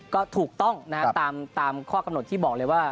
ก็ถูกต้องนะครับตามข้อกำหนดที่บอกเลยว่า